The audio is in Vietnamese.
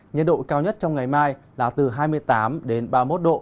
nhiệt độ cao nhất trong ngày mai là từ hai mươi tám đến ba mươi một độ